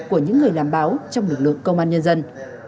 của những người làm báo trong lực lượng công an nhân dân